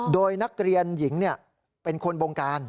โดยนักเรียนหญิงเป็นคนบงการ